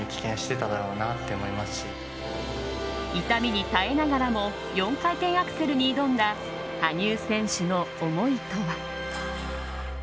痛みに耐えながらも４回転アクセルに挑んだ羽生選手の思いとは。